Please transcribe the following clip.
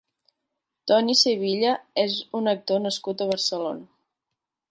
Toni Sevilla és un actor nascut a Barcelona.